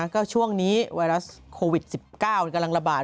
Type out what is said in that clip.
ก็ช่วงนี้ไวรัสโควิด๑๙กำลังระบาด